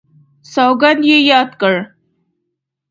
سوګند یې یاد کړ.